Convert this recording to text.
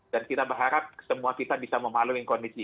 dan kita berharap semua kita bisa memahami kondisi